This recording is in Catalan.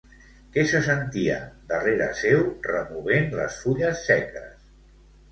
Què se sentia darrere seu removent les fulles seques?